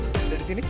sudah di sini